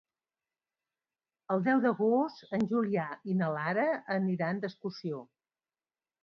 El deu d'agost en Julià i na Lara aniran d'excursió.